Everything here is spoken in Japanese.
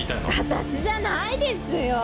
私じゃないですよ。